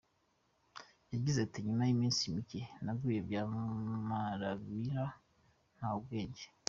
Yagize ati :”Nyuma y’iminsi mike, naguye by’amarabira nta ubwenge.